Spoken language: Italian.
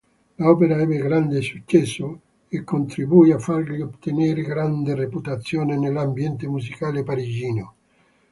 L'opera ebbe grande successo e contribuì a fargli ottenere grande reputazione nell'ambiente musicale parigino.